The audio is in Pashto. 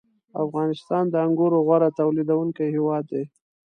• افغانستان د انګورو غوره تولیدوونکی هېواد دی.